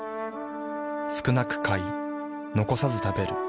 少なく買い残さず食べる。